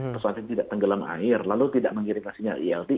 pesawatnya tidak tenggelam air lalu tidak mengirimkan sinyal ilt